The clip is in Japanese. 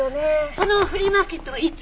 そのフリーマーケットはいつ？